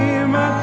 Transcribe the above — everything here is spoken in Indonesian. ketemu di tv